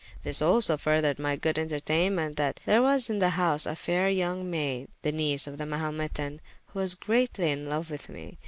This also furthered my good enterteynement, that there was in the house a fayre young mayde, the niese of the Mahumetan, who was greatly in loue with me.